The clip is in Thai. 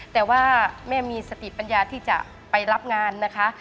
แต่ว่าแม่มีสติปัญญาที่จะไปรับงานนะคะ